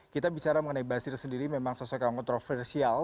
kita bicara mengenai basir sendiri memang sosok yang kontroversial